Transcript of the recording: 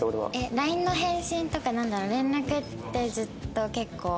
ＬＩＮＥの返信とかなんだろう連絡ってずっと結構？